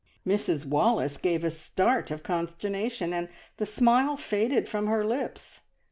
Mrs Wallace gave a start of consternation, and the smile faded from her lips.